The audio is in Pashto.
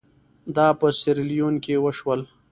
دا په سیریلیون کې وشول.